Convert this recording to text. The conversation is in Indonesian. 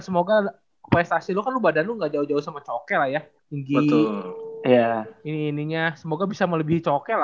semoga bisa melebihi cokke lah